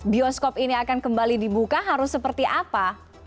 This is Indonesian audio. bioskop ini akan kembali dibuka harus seperti apa